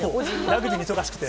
ラグビーに忙しくて？